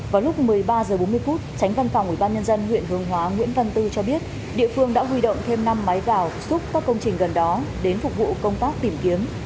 vào lúc một mươi ba h bốn mươi tránh văn phòng ủy ban nhân dân huyện hương hóa nguyễn văn tư cho biết địa phương đã huy động thêm năm máy gạo xúc các công trình gần đó đến phục vụ công tác tìm kiếm